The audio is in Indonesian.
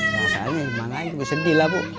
masa ini gimana itu sedih lah bu